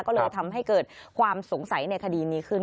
ก็เลยทำให้เกิดความสงสัยในคดีนี้ขึ้น